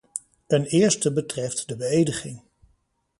Een eerste betreft de beëdiging.